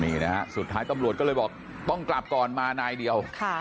นี่นะฮะสุดท้ายตำรวจก็เลยบอกต้องกลับก่อนมานายเดียว